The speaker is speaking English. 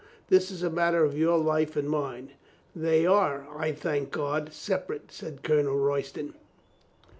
"This is a matter of your life and mine." "They are, I thank God, separate," said Colonel Royston.